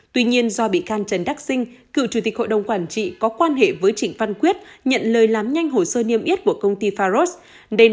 tuy nhiên do bị can trần đắc sinh cựu chủ tịch hội đồng quản trị có quan hệ với trịnh văn quyết nhận lời làm nhanh hồ sơ niêm yết của công ty faros